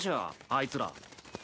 あいつら。